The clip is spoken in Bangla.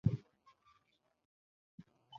এখানে দাঁড়িয়ে থাকা যাবে না!